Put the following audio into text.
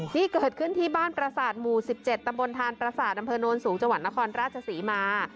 นี่เกิดขึ้นที่บ้านประสาทหมู่๑๗ตำบลทานประสาทอำเภอโน้นสูงจังหวัดนครราชศรีมา